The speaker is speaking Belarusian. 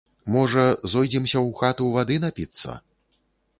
Можа, зойдземся ў хату вады напіцца?